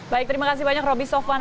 baik terima kasih banyak roby sofwan